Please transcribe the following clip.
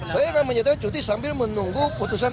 saya akan menyatakan cuti sambil menunggu putusan